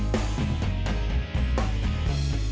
tadi pengen nyium juga sih